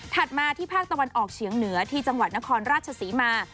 มาที่ภาคตะวันออกเฉียงเหนือที่จังหวัดนครราชศรีมา